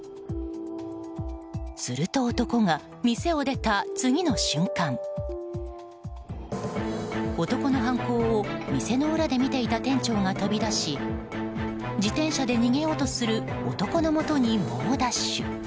すると、男が店を出た次の瞬間男の犯行を店の裏で見ていた店長が飛び出し自転車で逃げようとする男のもとに猛ダッシュ。